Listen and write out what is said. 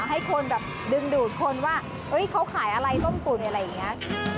ให้คนแบบดึงดูดคนว่าเขาขายอะไรส้มตุ๋นอะไรอย่างนี้